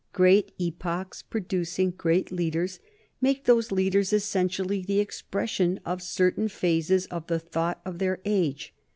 Great epochs, producing great leaders, make those leaders essentially the expression of certain phases of the thought of their age.